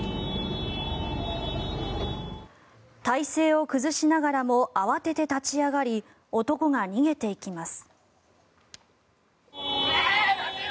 体勢を崩しながらも慌てて立ち上がり男が逃げていきます。